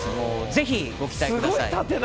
ぜひ、ご期待ください。